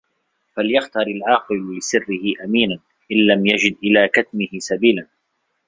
فَلْيَخْتَرْ الْعَاقِلُ لِسِرِّهِ أَمِينًا إنْ لَمْ يَجِدْ إلَى كَتْمِهِ سَبِيلًا